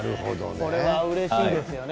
これは嬉しいですよね